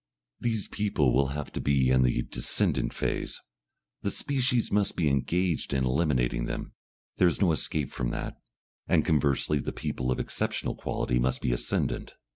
These people will have to be in the descendant phase, the species must be engaged in eliminating them; there is no escape from that, and conversely the people of exceptional quality must be ascendant.